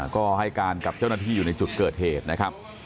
ก็ให้การกับเจ้าหน้าที่อยู่ในจุดเกิดเหตุนะครับ